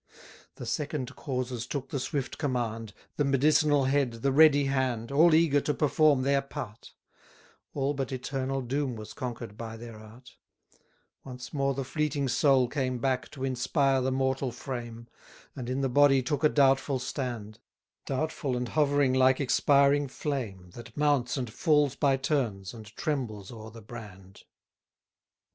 The second causes took the swift command, The medicinal head, the ready hand, All eager to perform their part; All but eternal doom was conquer'd by their art: Once more the fleeting soul came back To inspire the mortal frame; And in the body took a doubtful stand, Doubtful and hovering like expiring flame, That mounts and falls by turns, and trembles o'er the brand.